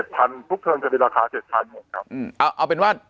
ทุกเทิมจะเป็นราคา๗๐๐๐ครับ